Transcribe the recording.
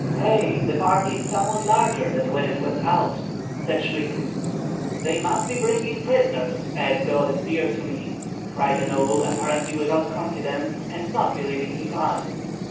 "Hei! the party is somewhat larger than when it went out," said Shlihtyng. "They must be bringing prisoners, as God is dear to me!" cried a noble, apparently without confidence and not believing his eyes.